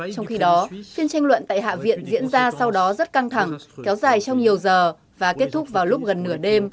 trong khi đó phiên tranh luận tại hạ viện diễn ra sau đó rất căng thẳng kéo dài trong nhiều giờ và kết thúc vào lúc gần nửa đêm